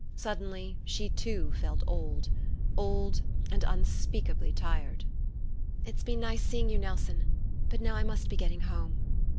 Suddenly she too felt old old and unspeakably tired. "It's been nice seeing you, Nelson. But now I must be getting home."